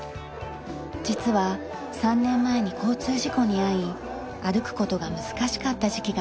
実は３年前に交通事故に遭い歩く事が難しかった時期がありました。